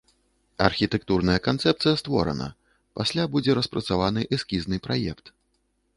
Архітэктурная канцэпцыя створана, пасля будзе распрацаваны эскізны праект.